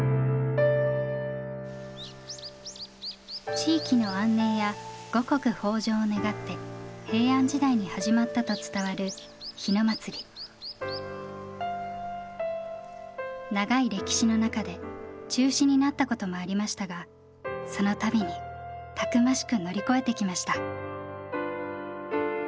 地域の安寧や五穀豊じょうを願って平安時代に始まったと伝わる長い歴史の中で中止になったこともありましたがその度にたくましく乗り越えてきました。